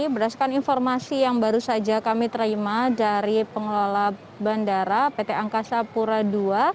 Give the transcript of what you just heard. berdasarkan informasi yang baru saja kami terima dari pengelola bandara pt angkasa pura ii